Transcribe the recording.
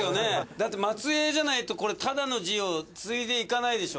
だって末裔じゃないと「忠」の字を継いでいかないでしょ。